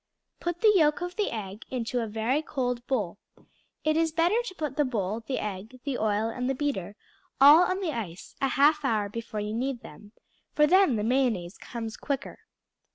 Put the yolk of the egg into a very cold bowl; it is better to put the bowl, the egg, the oil, and the beater all on the ice a half hour before you need them, for then the mayonnaise comes quicker.